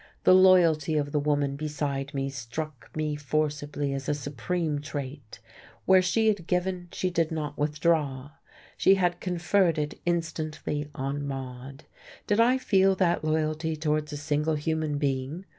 The loyalty of the woman beside me struck me forcibly as a supreme trait. Where she had given, she did not withdraw. She had conferred it instantly on Maude. Did I feel that loyalty towards a single human being?